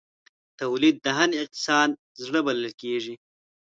تولید د هر اقتصاد زړه بلل کېږي.